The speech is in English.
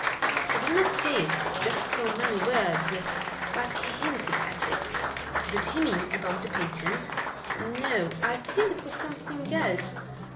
He did not say it in just so many words but he hinted at it." "Did he mean about the patent?" "No, I think it was something else.